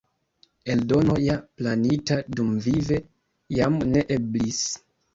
Eldono ja planita dumvive jam ne eblis.